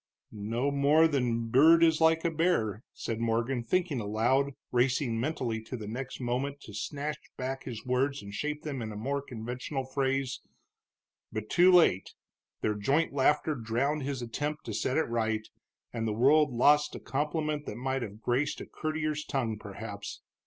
"No more than a bird is like a bear," said Morgan, thinking aloud, racing mentally the next moment to snatch back his words and shape them in more conventional phrase. But too late; their joint laughter drowned his attempt to set it right, and the world lost a compliment that might have graced a courtier's tongue, perhaps.